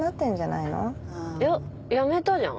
いや辞めたじゃん。